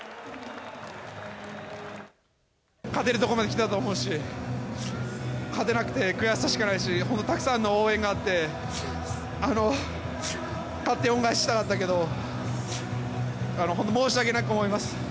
勝てるとこまで来たと思うし、勝てなくて悔しさしかないし、本当、たくさんの応援があって、勝って恩返ししたかったけど、本当、申し訳なく思います。